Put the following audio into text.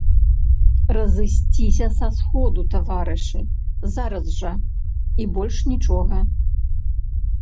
Разысціся са сходу, таварышы, зараз жа, і больш нічога!